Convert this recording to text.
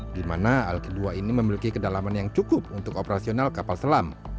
di mana alki dua ini memiliki kedalaman yang cukup untuk operasional kapal selam